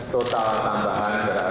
total tambahan dua puluh tiga ribu